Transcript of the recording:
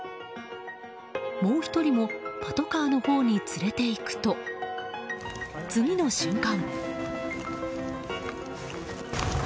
もう１人もパトカーのほうに連れて行くと次の瞬間。